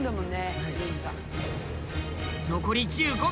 残り１５秒。